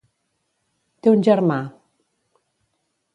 Té un germà.